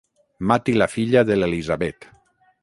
Mati la filla de l'Elisabet.